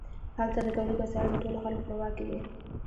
هلته د تولید وسایل د ټولو خلکو په واک کې وي.